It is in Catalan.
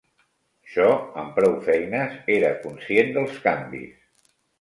Jo amb prou feines era conscient dels canvis